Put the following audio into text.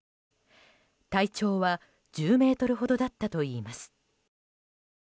体長は１０ｍほどだったといいます。